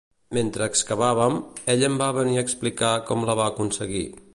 Mentre excavàvem, ella em va venir a explicar com la va aconseguir.